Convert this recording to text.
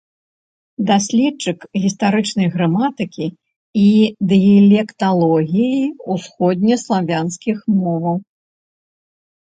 Даследчык гістарычнай граматыкі і дыялекталогіі ўсходне-славянскіх моў.